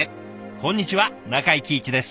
こんにちは中井貴一です。